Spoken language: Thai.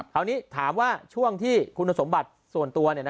ถามว่าช่วงที่คุณสมบัติส่วนตัว